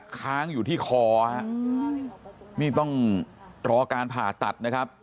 ค้างอยู่ที่คอฮะนี่ต้องรอการผ่าตัดนะครับ